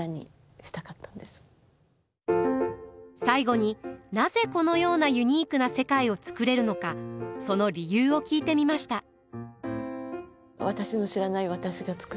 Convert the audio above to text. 最後になぜこのようなユニークな世界を作れるのかその理由を聞いてみました。